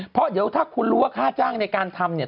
เพราะเดี๋ยวถ้าคุณรู้ว่าค่าจ้างในการทำเนี่ย